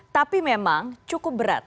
tapi memang cukup berat